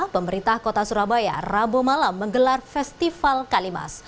pemerintah kota surabaya rabu malam menggelar festival kalimas